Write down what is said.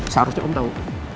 seharusnya om tau